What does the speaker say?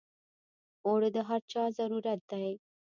اوړه د هر چا ضرورت دی